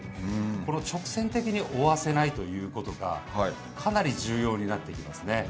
この直線的に追わせないということが、かなり重要になってきますね。